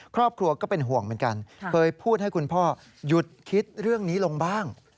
ครอบครัวก็เป็นห่วงเหมือนกันเคยพูดให้คุณพ่อหยุดคิดเรื่องนี้ลงบ้าง